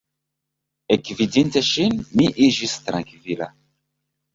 Ekvidinte ŝin, mi iĝis trankvila.